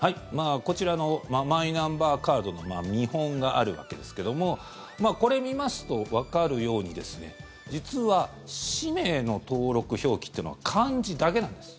こちらのマイナンバーカードの見本があるわけですけどもこれ、見ますとわかるように実は、氏名の登録表記というのは漢字だけなんです。